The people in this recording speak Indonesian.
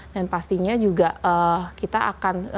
dan pastinya juga kita akan study dari situ